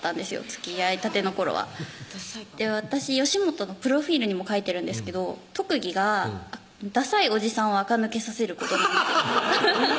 つきあいたての頃は私吉本のプロフィールにも書いてるんですけど特技がダサいおじさんをあか抜けさせることなんですよ